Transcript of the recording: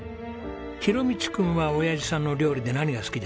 大路君はおやじさんの料理で何が好きですか？